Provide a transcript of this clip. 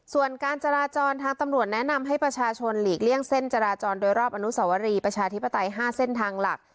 ส่วนการจราจรทางตำรวจแนะนำให้ประชาชนหลีกเลี่ยงเส้นจราจรโดยรอบอนุสวรีประชาธิปไตย๕เส้นทางหลัก